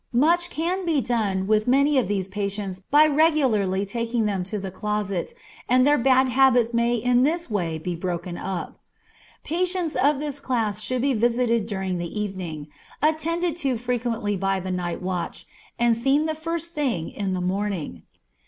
Much can be done with many of these patients by regularly taking them to the closet, and their bad habits may in this way be broken up. Patients of this class should be visited during the evening, attended to frequently by the night watch, and seen the first thing in the morning.